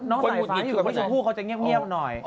น้องสายฟ้าอยู่กับผู้เขาจะเงียบหน่อย